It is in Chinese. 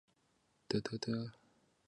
是伊朗三个加色丁礼教区之一。